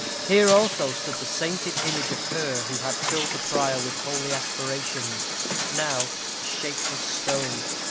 Here also stood the sainted image of her who had filled the prior with holy aspirations, now a shapeless stone.